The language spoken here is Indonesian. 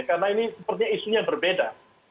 karena ini sepertinya isunya berbeda